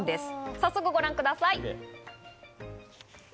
早速ご覧ください。